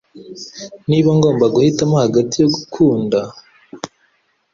Niba ngomba guhitamo hagati yo gukundaa